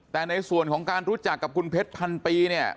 แต่ในส่วนของการรู้จักกับคุณเพชรพันปีเนี่ย